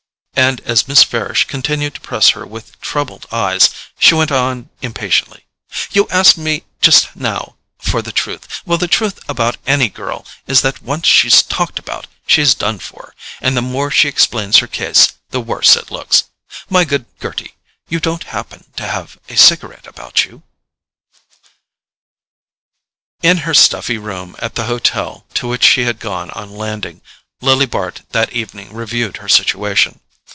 And as Miss Farish continued to press her with troubled eyes, she went on impatiently: "You asked me just now for the truth—well, the truth about any girl is that once she's talked about she's done for; and the more she explains her case the worse it looks.—My good Gerty, you don't happen to have a cigarette about you?" In her stuffy room at the hotel to which she had gone on landing, Lily Bart that evening reviewed her situation.